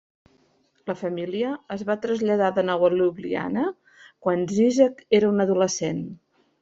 La família es va traslladar de nou a Ljubljana quan Žižek era un adolescent.